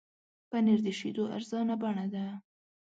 پنېر د شیدو ارزانه بڼه ده.